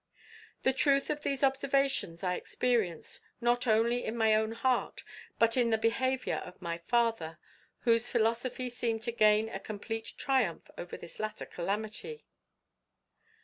"The truth of these observations I experienced, not only in my own heart, but in the behaviour of my father, whose philosophy seemed to gain a complete triumph over this latter calamity.